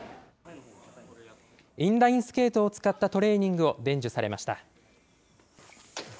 インラインスケートを使ったトレーニングを伝授されました。